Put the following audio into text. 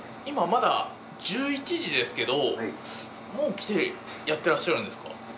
今まだ１１時ですけどもう来てやってらっしゃるんですか？